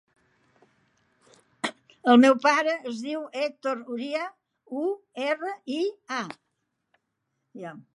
El meu pare es diu Hèctor Uria: u, erra, i, a.